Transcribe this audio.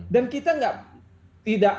dan kita tidak